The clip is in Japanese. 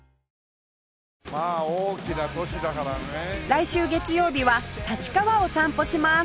来週月曜日は立川を散歩します